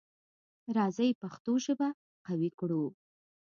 راځی پښتو ژبه قوي کړو.